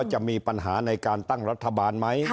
จะมีปัญหาในการตั้งรัฐบาลไหม